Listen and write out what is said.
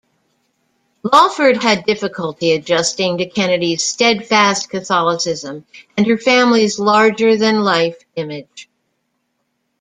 Lawford had difficulty adjusting to Kennedy's steadfast Catholicism and her family's larger-than-life image.